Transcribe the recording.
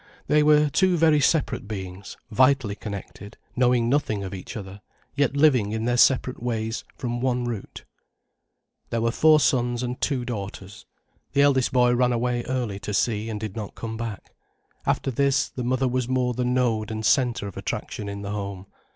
They were two very separate beings, vitally connected, knowing nothing of each other, yet living in their separate ways from one root. There were four sons and two daughters. The eldest boy ran away early to sea, and did not come back. After this the mother was more the node and centre of attraction in the home.